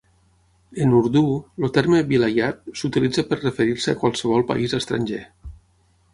En urdú, el terme "vilayat" s'utilitza per referir-se a qualsevol país estranger.